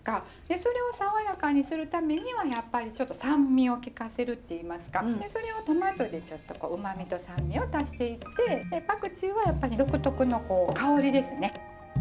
それを爽やかにするためにはやっぱりちょっと酸味をきかせるっていいますかそれをトマトでちょっとうまみと酸味を足していってパクチーはやっぱり独特の香りですね。